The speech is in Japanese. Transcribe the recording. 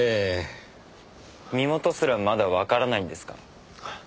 身元すらまだわからないんですか？